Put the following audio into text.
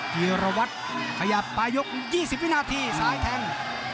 ธีรวัตรขยับปลายก๒๐วินาทีซ้ายแทง